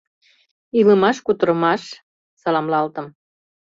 — Илымаш-кутырымаш! — саламлалтым.